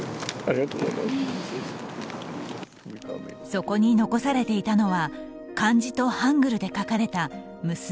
そこに残されていたのは漢字とハングルで書かれた娘